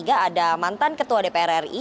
ada mantan ketua dpr ri